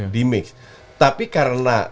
di mix tapi karena